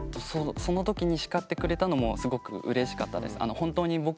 その時に叱ってくれたのもすごくうれしかったです。